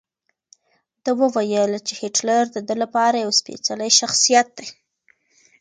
ده وویل چې هېټلر د ده لپاره یو سپېڅلی شخصیت دی.